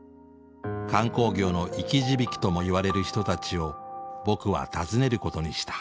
観光業の生き字引ともいわれる人たちを僕は訪ねることにした。